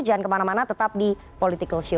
jangan kemana mana tetap di political show